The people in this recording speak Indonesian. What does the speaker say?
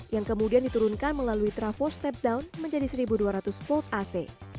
yang kemudian diturunkan melalui trafo stepdown menjadi satu dua ratus volt ac